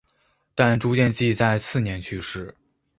但朱见济在次年去世。